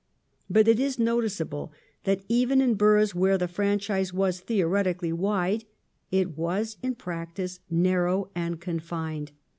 But it is notice able that even in boroughs where the franchise was theoretically wide, it was in practice narrow and confined.